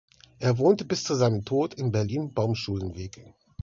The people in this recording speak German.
Er wohnte bis zu seinem Tod in Berlin-Baumschulenweg.